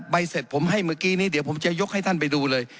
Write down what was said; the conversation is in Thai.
เสร็จผมให้เมื่อกี้นี้เดี๋ยวผมจะยกให้ท่านไปดูเลย